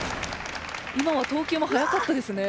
今は投球も早かったですね。